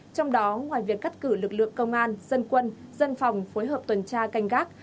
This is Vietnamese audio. trong đó ngoài việc cắt cử lực lượng công an dân quân dân phòng phối hợp tuần tra canh gác